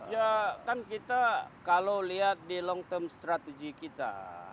ya kan kita kalau lihat di long term strategy kita